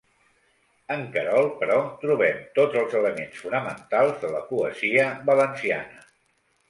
En Querol, però, trobem tots els elements fonamentals de la poesia valenciana.